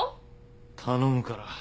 頼むから。